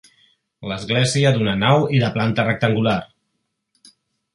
Església d'una nau i de planta rectangular.